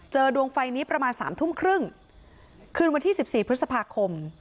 ดวงไฟนี้ประมาณสามทุ่มครึ่งคืนวันที่สิบสี่พฤษภาคม